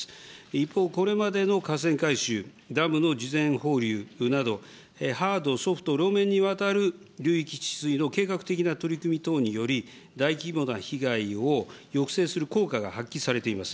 一方、これまでの河川改修、ダムの事前放流など、ハード、ソフト両面にわたる流域治水の計画的な取り組み等により、大規模な被害を抑制する効果が発揮されています。